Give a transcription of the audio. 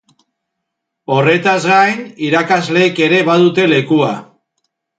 Horretaz gain, irakasleek ere badute lekua.